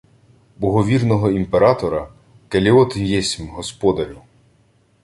— Богорівного імператора келіот єсмь, господарю.